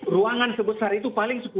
ruangan sebesar itu paling